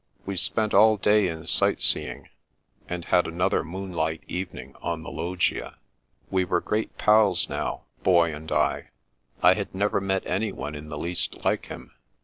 We spent all day in sightseeing, and had another moonlight evening on the loggia. We were great pals now. Boy and I. I had never met anyone in the least like him.